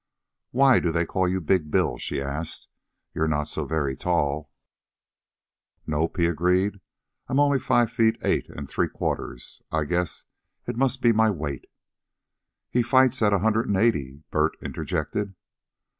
"Why do they call you 'Big' Bill?" she asked. "You're not so very tall." "Nope," he agreed. "I'm only five feet eight an' three quarters. I guess it must be my weight." "He fights at a hundred an' eighty," Bert interjected.